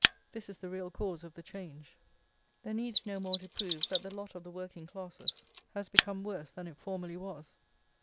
This is the real cause of the change. There needs no more to prove that the lot of the working classes has become worse than it formerly was.